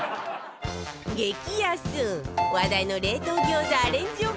激安話題の冷凍餃子アレンジおかず